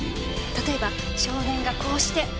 例えば少年がこうして。